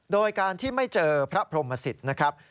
โดยการที่ไม่เจอพระพรหมสิตนะครับ